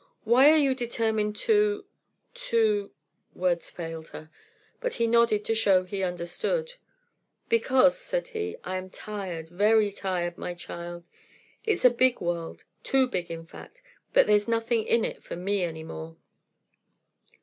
"Why are you determined to to " Words failed her, but he nodded to show he understood. "Because," said he, "I am tired; very tired, my child. It's a big world; too big, in fact; but there's nothing in it for me any more."